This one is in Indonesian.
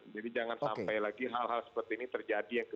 jadi jangan sampai lagi hal hal seperti ini terjadi